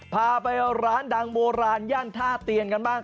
พาไปร้านดังโบราณย่านท่าเตียนกันบ้าง